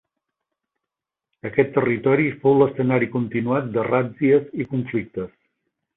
Aquest territori fou l'escenari continuat de ràtzies i conflictes.